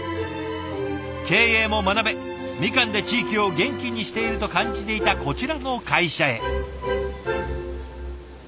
経営も学べみかんで地域を元気にしていると感じていたこちらの会社へ。